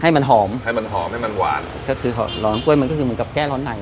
ให้มันหอมให้มันหอมให้มันหวานก็คือหอมร้อนกล้วยมันก็คือเหมือนกับแก้ร้อนใน